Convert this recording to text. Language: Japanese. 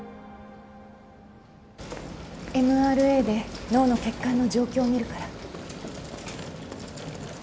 ＭＲＡで脳の血管の状況を見るから。